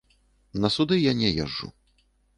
На суды я не езджу.